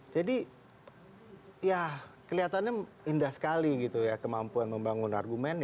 jadi ya kelihatannya indah sekali gitu ya kemampuan membangun argumen